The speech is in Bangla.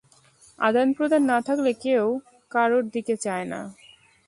আদান-প্রদান না থাকলে কেউ কারুর দিকে চায় না।